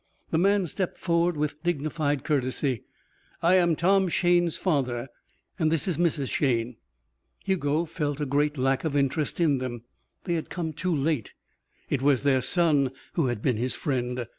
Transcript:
The man stepped forward with dignified courtesy. "I am Tom Shayne's father. This is Mrs. Shayne." Hugo felt a great lack of interest in them. They had come too late. It was their son who had been his friend.